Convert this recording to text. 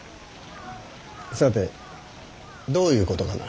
さてどういうことかな。